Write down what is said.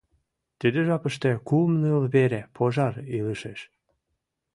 Тиде жапыште кум-ныл вере пожар ылыжеш.